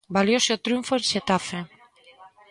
Valioso triunfo en Xetafe.